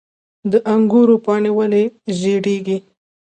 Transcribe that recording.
د انګورو پاڼې ولې ژیړیږي؟